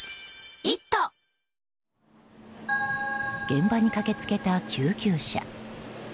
現場に駆け付けた救急車。